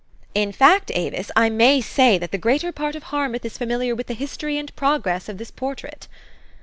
" In fact, Avis, I may say that the greater part of Harmouth is familiar with the history and progress of this portrait."